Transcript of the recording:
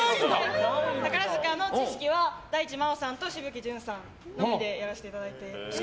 宝塚の知識は大地真央さんと紫吹淳さんのみでやらせていただいてます。